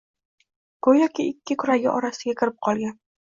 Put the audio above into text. Go‘yoki ikki kuragi orasiga kirib qolgan.